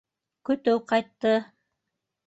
- Көтөү ҡайтты!